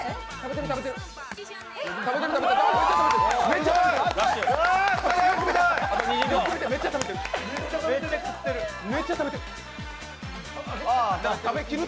めっちゃ食べてる。